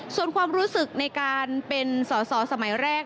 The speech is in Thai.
ส่วนความรู้สึกในการเป็นสอสอสมัยแรก